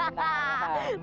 aduh aduh aduh aduh